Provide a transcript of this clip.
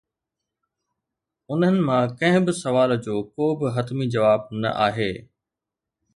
انهن مان ڪنهن به سوال جو ڪو به حتمي جواب نه آهي.